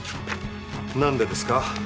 何でですか？